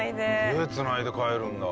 手繋いで帰るんだ。